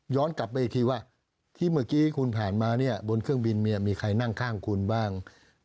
กลับไปอีกทีว่าที่เมื่อกี้คุณผ่านมาเนี่ยบนเครื่องบินมีใครนั่งข้างคุณบ้าง